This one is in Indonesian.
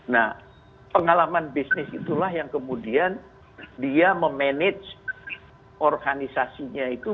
nah pengalaman bisnis itulah yang kemudian dia memanage organisasinya itu